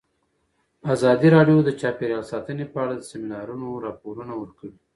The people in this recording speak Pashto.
ازادي راډیو د چاپیریال ساتنه په اړه د سیمینارونو راپورونه ورکړي.